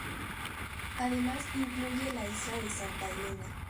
Además incluye la isla de Santa Elena.